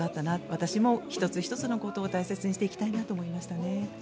私も１つ１つのことを大切にしていきたいなと思いましたね。